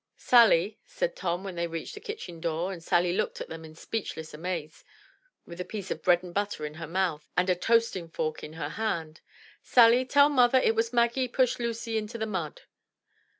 Sally,*' said Tom when they reached the kitchen door, and Sally looked at them in speechless amaze, with a piece of bread and butter in her mouth and a toasting fork in her hand, — "Sally, tell mother it was Maggie pushed Lucy into the mud."